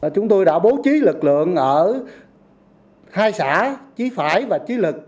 chúng tôi đã bố trí lực lượng ở hai xã chí phải và trí lực